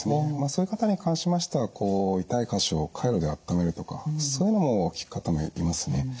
そういう方に関しましては痛い箇所をカイロであっためるとかそういうのも効く方もいますね。